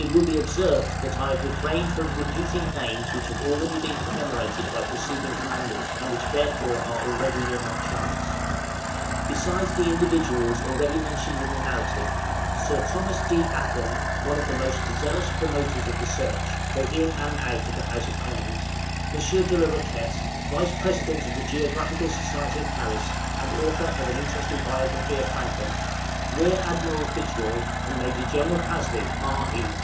It will be observed that I have refrained from repeating names which have already been commemorated by preceding commanders, and which therefore are already in our charts. Besides the individuals already mentioned in the narrative, Sir Thomas D. Acland, one of the most zealous promoters of the search, both in and out of the House of Commons; Monsieur De la Roquette, Vice President of the Geographical Society of Paris, and author of an interesting biography of Franklin; Rear Admiral Fitzroy; and Major General Pasley, R.E.